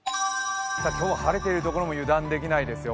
今日は晴れているところも油断できないですよ。